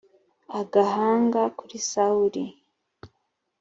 agahanga kuri sawuli